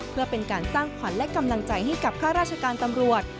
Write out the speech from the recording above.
เพื่อเป็นการสร้างขวัญและกำลังใจให้กับข้าราชการตำรวจ